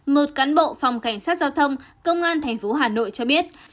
một cán bộ phòng cảnh sát giao thông công an thành phố hà nội cho biết